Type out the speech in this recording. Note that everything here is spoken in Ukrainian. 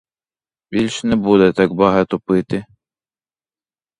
Більш не буде так багато пити.